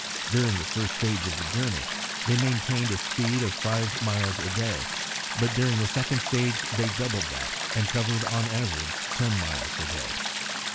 During the first stage of the journey they maintained a speed of five miles a day, but during the second stage they doubled that, and covered, on an average, ten miles a day.